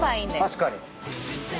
確かに。